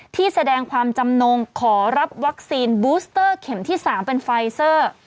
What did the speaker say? ที่แสดงความจำนงขอรับวัคซีนบูสเตอร์เข็มที่๓เป็นไฟเซอร์